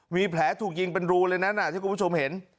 มีแผลถูกยิงเป็นรูเลยนั้นที่คุณผู้ชมเห็น